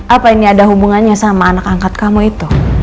apa ini ada hubungannya sama anak angkat kamu itu